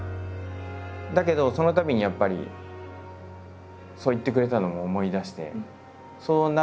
だけどそのたびにやっぱりそう言ってくれたのを思い出して。